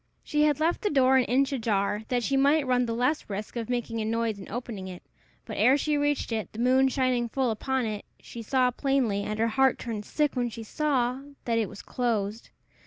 She had left the door an inch ajar, that she might run the less risk of making a noise in opening it; but ere she reached it, the moon shining full upon it, she saw plainly, and her heart turned sick when she saw, that it was closed.